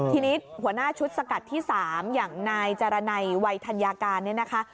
ทีนี้หัวหน้าชุดสกัดที่๓อย่างนายจารณัยวัยธัญญาการเนี่ยนะคะ